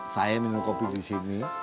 saya minum kopi di sini